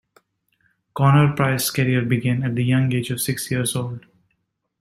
Connor Price's career began at the young age of six years old.